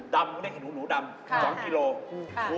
ดำก็ได้เห็ดหูหนูดำ๒กิโลกรัม